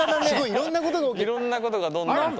いろんなことがどんどんと。